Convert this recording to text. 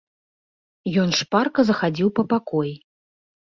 Ён шпарка захадзіў па пакоі.